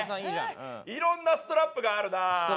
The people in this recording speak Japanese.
いろんなストラップがあるな。